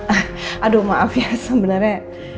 eh aduh maaf ya sebenernya